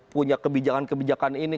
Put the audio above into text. punya kebijakan kebijakan ini